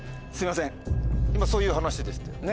今そういう話でしたよね。